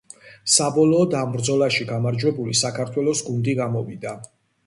საბოლოოდ ამ ბრძოლაში გამარჯვებული საქართველოს გუნდი გამოვიდა.